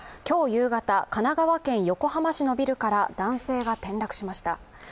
今日夕方、神奈川県横浜市のビルから男性が転落しました。